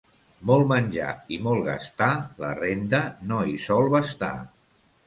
Molt menjar i molt gastar, la renda no hi sol bastar.